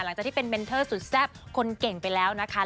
หลังจากที่เป็นเมนเทอร์สุดแซ่บคนเก่งไปแล้วนะคะ